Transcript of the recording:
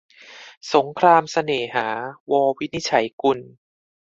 สงครามเสน่หา - ว วินิจฉัยกุล